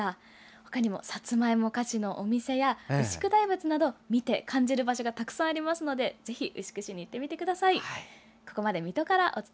他にもさつまいも菓子のお店や牛久大仏など見て感じて楽しめる場所がたくさんありますのでぜひ牛久市に行ってみてください。